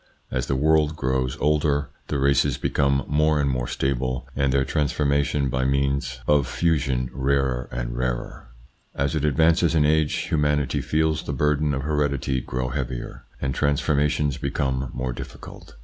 As the world grows older, the races become more and more stable and their transformation by means 60 THE PSYCHOLOGY OF PEOPLES of fusion rarer and rarer. As it advances in age, humanity feels the burden of heredity grow heavier, and transformations become more difficult.